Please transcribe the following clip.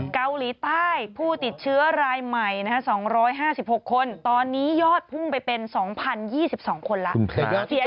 เกาหลีใต้ผู้ติดเชื้อรายใหม่๒๕๖คนตอนนี้ยอดพุ่งไปเป็น๒๐๒๒คนแล้ว